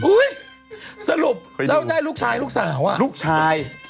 อุ๊ยสรุปแล้วได้ลูกชายลูกสาวอะลูกชาย